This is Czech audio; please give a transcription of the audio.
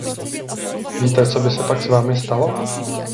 Víte, co by se pak s vámi stalo?